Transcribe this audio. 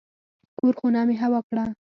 د کور خونه مې هوا کړه.